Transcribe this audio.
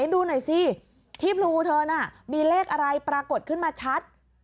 ดูหน่อยสิที่พลูเธอน่ะมีเลขอะไรปรากฏขึ้นมาชัด